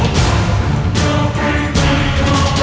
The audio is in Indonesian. tidak ada apa apa